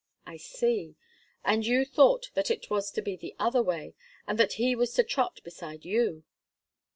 "I see. And you thought that it was to be the other way, and that he was to trot beside you."